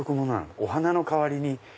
お花の代わりに。